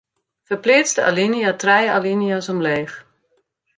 Ferpleats de alinea trije alinea's omleech.